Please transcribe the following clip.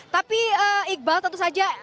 tapi iqbal tentu saja